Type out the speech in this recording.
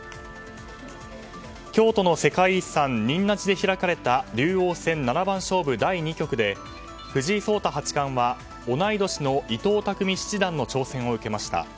京都の世界遺産仁和寺で開かれた竜王戦七番勝負第２局で藤井聡太八冠は同い年の伊藤匠七段の挑戦を受けました。